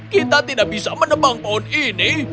kita tidak bisa menebang pohon ini